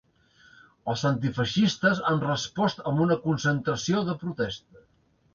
Els antifeixistes han respost amb una concentració de protesta.